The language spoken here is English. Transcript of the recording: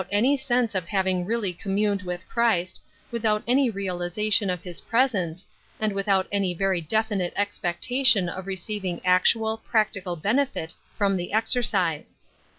MX sense of liavinsf r<!illv eommuTied witli Bitter Herbs, 59 Christ, without anj realization of his piesence, and without any very definite expectation of receiving actual, practical benefit from the exer cise.